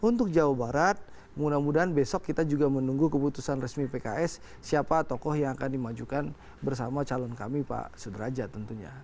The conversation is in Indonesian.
untuk jawa barat mudah mudahan besok kita juga menunggu keputusan resmi pks siapa tokoh yang akan dimajukan bersama calon kami pak sudrajat tentunya